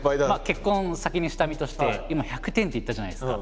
結婚先にした身として今「１００点」って言ったじゃないですか。